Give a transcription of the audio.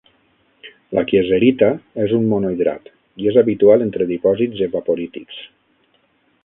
La kieserita és un mono-hidrat i és habitual entre dipòsits evaporítics.